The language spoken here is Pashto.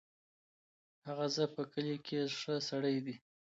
هغه ز په کلي کې ښه سړی دی.